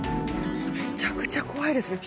めちゃくちゃ怖いですね。